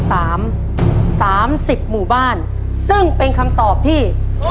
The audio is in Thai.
สามสามสิบหมู่บ้านซึ่งเป็นคำตอบที่